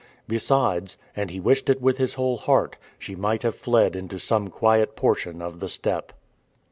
Besides and he wished it with his whole heart she might have fled into some quiet portion of the steppe.